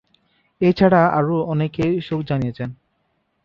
এছাড়া আরো অনেকে শোক জানিয়েছেন।